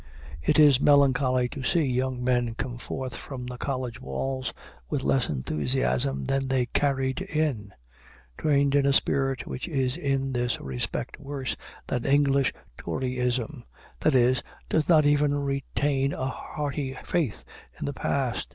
It is melancholy to see young men come forth from the college walls with less enthusiasm than they carried in; trained in a spirit which is in this respect worse than English toryism that is, does not even retain a hearty faith in the past.